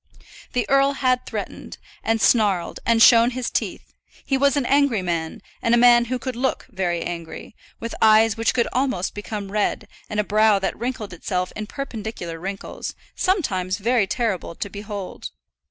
The earl had threatened, and snarled, and shown his teeth; he was an angry man, and a man who could look very angry; with eyes which could almost become red, and a brow that wrinkled itself in perpendicular wrinkles, sometimes very terrible to behold.